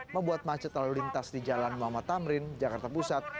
membuat macet lalu lintas di jalan muhammad tamrin jakarta pusat